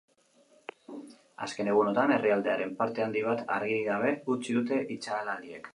Azken egunotan herrialdearen parte handi bat argirik gabe utzi dute itzalaldiek.